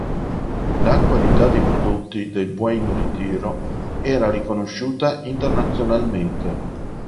La qualità dei prodotti del Buen Retiro era riconosciuta internazionalmente.